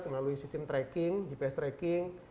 melalui sistem tracking gps tracking